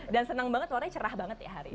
dan senang banget warnanya cerah banget ya hari ini